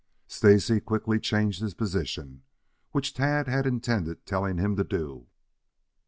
Stacy quickly changed his position, which Tad had intended telling him to do.